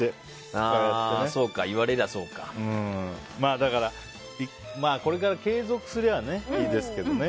だから、これから継続すればいいですけどね。